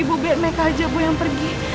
ibu biar mereka aja yang pergi